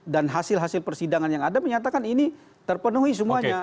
dan hasil hasil persidangan yang ada menyatakan ini terpenuhi semuanya